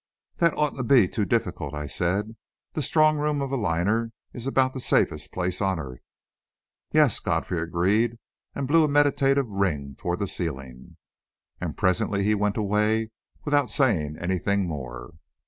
"That oughtn't to be difficult," I said. "The strong room of a liner is about the safest place on earth." "Yes," Godfrey agreed, and blew a meditative ring toward the ceiling. And presently he went away without saying anything more.